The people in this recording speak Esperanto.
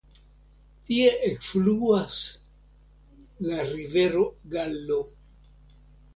Tie ekfluas la rivero Gallo.